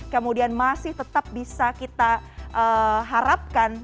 kemudian masih tetap bisa kita harapkan